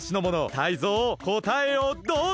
タイゾウこたえをどうぞ！